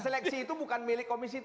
seleksi itu bukan milik komisi tiga